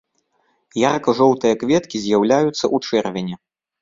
Ярка-жоўтыя кветкі з'яўляюцца ў чэрвені.